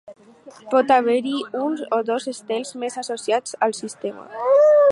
Pot haver-hi un o dos estels més associats al sistema.